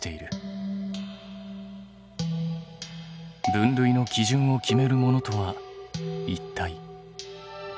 分類の基準を決めるものとはいったい。